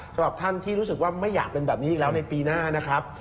สำหรับท่านที่รู้สึกว่าไม่อยากเป็นแบบนี้อีกแล้วในปีหน้านะครับ